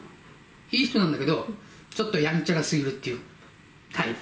いい人なんだけど、ちょっとやんちゃが過ぎるっていうタイプ。